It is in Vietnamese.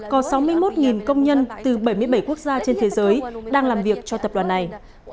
có sáu mươi một công nhân từ bảy mươi bảy quốc gia trên thế giới đang làm việc cho tập đoàn này